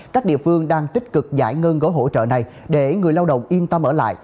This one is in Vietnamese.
các địa phương đang tích cực giải ngân gói hỗ trợ này để người lao động yên tâm ở lại